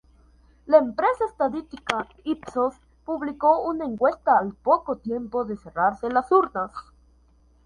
La empresa estadística Ipsos publicó una encuesta al poco tiempo de cerrarse las urnas.